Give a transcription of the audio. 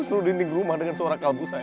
seluruh dinding rumah dengan suara kalbu saya